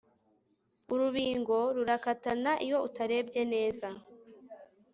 Urubingo rurakatana iyo utarebye neza